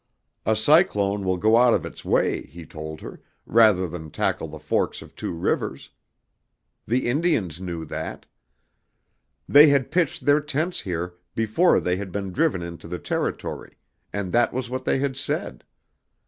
A cyclone will go out of its way, he told her, rather than tackle the forks of two rivers. The Indians knew that. They had pitched their tents here before they had been driven into the Territory and that was what they had said.